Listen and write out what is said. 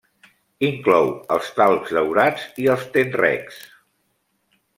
Inclou els talps daurats i els tenrecs.